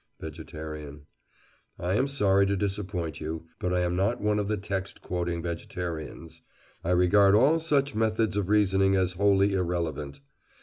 VEGETARIAN: I am sorry to disappoint you, but I am not one of the text quoting vegetarians. I regard all such methods of reasoning as wholly irrelevant.